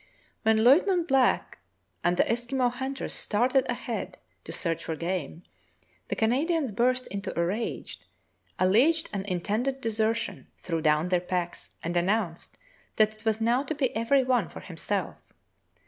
When Lieutenant Back and the Eskimo hunters started ahead to search for game, the Canadians burst into a rage, alleged an intended desertion, threw down their packs, and announced that it was now to be every one for himself.